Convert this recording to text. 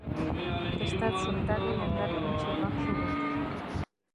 Тыштат сорта гай яндар пӱнчӧ-влак шогат.